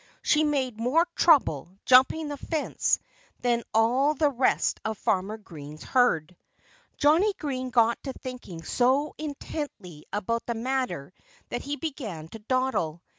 She made more trouble, jumping the fence, than all the rest of Farmer Green's herd. Johnnie Green got to thinking so intently about the matter that he began to dawdle.